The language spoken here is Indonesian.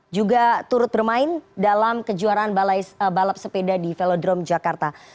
juga turut bermain dalam kejuaraan balap sepeda di velodrome jakarta